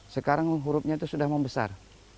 sekarang hurufnya itu sudah membesar